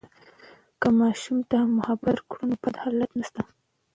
که ماشوم ته محبت وکړو، نو بد حالات نشته.